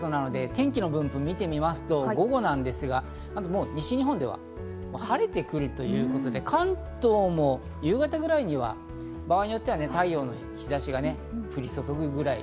天気の分布を見てみますと、午後なんですが、西日本では晴れてくるということで、関東も夕方くらいには、場合によっては太陽の日差しが降り注ぐぐらい。